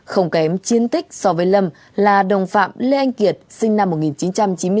không kém chiến tích so với lâm là đồng phạm lê anh kiệt sinh năm một nghìn chín trăm chín mươi bốn